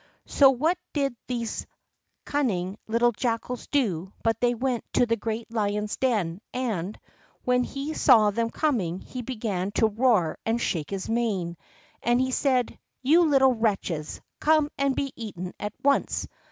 So what did these cunning little jackals do but they went to the great lion's den; and, when he saw them coming, he began to roar and shake his mane, and he said: "You little wretches, come and be eaten at once!